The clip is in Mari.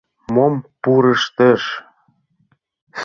Мом пурыштеш?